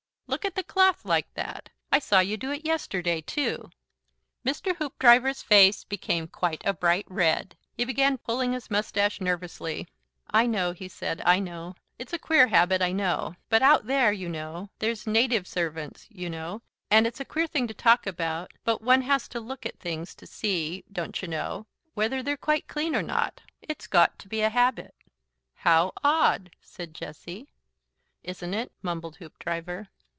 "Look at the cloth like that. I saw you do it yesterday, too." Mr. Hoopdriver's face became quite a bright red. He began pulling his moustache nervously. "I know," he said. "I know. It's a queer habit, I know. But out there, you know, there's native servants, you know, and it's a queer thing to talk about but one has to look at things to see, don't y'know, whether they're quite clean or not. It's got to be a habit." "How odd!" said Jessie. "Isn't it?" mumbled Hoopdriver.